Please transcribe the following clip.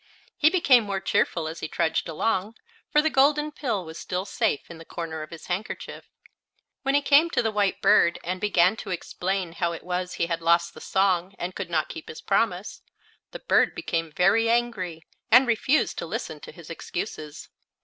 He became more cheerful as he trudged along, for the golden pill was still safe in the corner of his handkerchief. When he came to the white bird and began to explain how it was he had lost the song and could not keep his promise, the bird became very angry and refused to listen to his excuses.